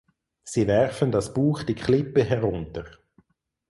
Sie werfen das Buch die Klippe herunter.